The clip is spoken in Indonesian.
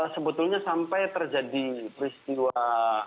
sebetulnya sampai terjadi peristiwa